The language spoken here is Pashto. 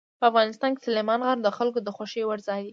په افغانستان کې سلیمان غر د خلکو د خوښې وړ ځای دی.